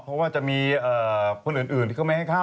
เพราะว่าจะมีคนอื่นที่เขาไม่ให้เข้า